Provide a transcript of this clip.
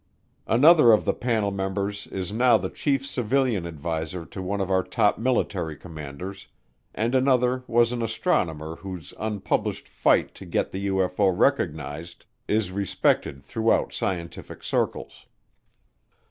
Another of the panel members is now the chief civilian adviser to one of our top military commanders, and another was an astronomer whose unpublished fight to get the UFO recognized is respected throughout scientific circles.